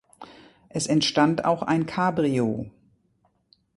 Es entstand auch ein Cabrio.